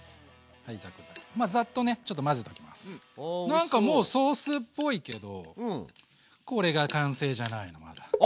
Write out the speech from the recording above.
何かもうソースっぽいけどこれが完成じゃないのまだ。